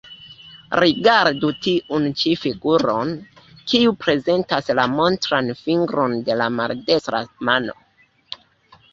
Rigardu tiun ĉi figuron, kiu prezentas la montran fingron de la maldekstra mano.